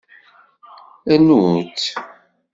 Rnu-tt.